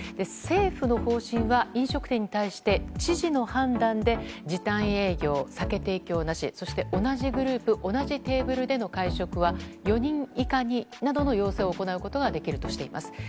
政府の方針は飲食店に対して知事の判断で時短営業酒提供なし、同じグループ同じテーブルでの会食は４人以下などの要請を行うことができるとしています。